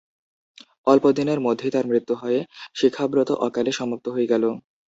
অল্পদিনের মধ্যেই তাঁর মৃত্যু হয়ে শিক্ষাব্রত অকালে সমাপ্ত হয়ে গেল।